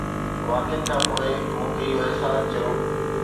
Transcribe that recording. واقعن کان پوءِ مون کي اهو احساس ٿيو